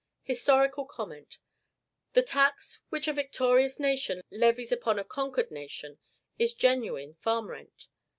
HISTORICAL COMMENT. The tax which a victorious nation levies upon a conquered nation is genuine farm rent.